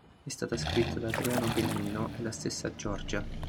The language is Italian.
È stata scritta da Adriano Pennino e la stessa Giorgia.